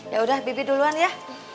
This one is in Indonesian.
yaudah bibi duluan ya